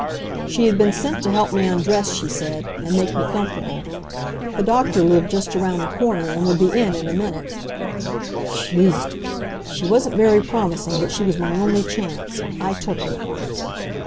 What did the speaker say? She had been sent to help me undress, she said, and make me comfortable. The doctor lived just around the corner and would be in in a minute. Phew! She wasn't very promising, but she was my only chance. I took her.